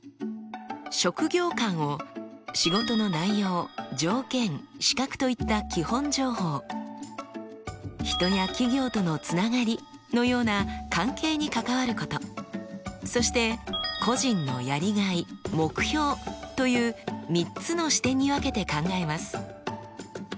職業観を仕事の内容・条件・資格といった基本情報人や企業とのつながりのような関係に関わることそして個人のやりがい・目標という３つの視点に分けて考えます。